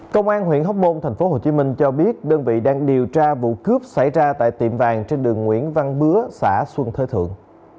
công an huyện hóc môn tp hcm cho biết đơn vị đang điều tra vụ cướp xảy ra tại tiệm vàng trên đường nguyễn văn bứa xã xuân thơ thượng